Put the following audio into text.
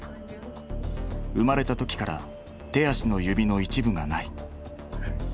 生まれた時から手足の指の一部がない。